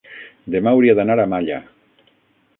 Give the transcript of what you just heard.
demà hauria d'anar a Malla.